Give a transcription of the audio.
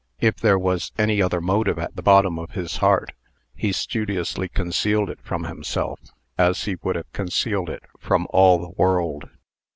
If there was any other motive at the bottom of his heart, he studiously concealed it from himself, as he would have concealed it from all the world.